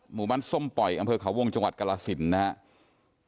หมู่บ้านส้มปล่อยอำเภอเขาวงจังหวัดกรสินนะครับ